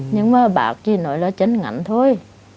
nhưng mà bác chỉ nói là chân ngắn thôi